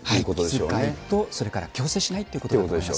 気遣いと、それから強制しないということだと思います。